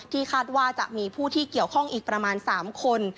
คาดว่าจะมีผู้ที่เกี่ยวข้องอีกประมาณ๓คน